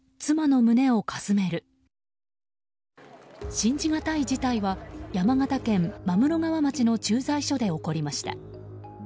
信じがたい事態は山形県真室川町の駐在所で起こりました。